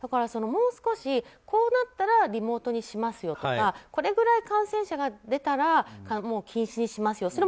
もう少し、こうなったらリモートにしますよとかこれぐらい感染者が出たら禁止にしますよ